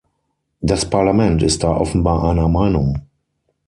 Das Parlament ist da offenbar einer Meinung.